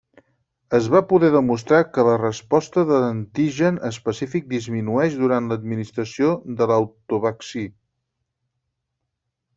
Es va poder demostrar que la resposta de l'antigen específic disminueix durant l'administració de l'autovaccí.